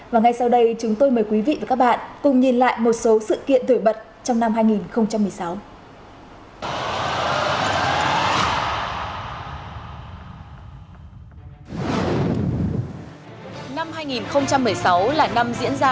và ngay sau đây chúng tôi mời quý vị và các bạn cùng nhìn lại một số sự kiện nổi bật trong năm hai nghìn một mươi sáu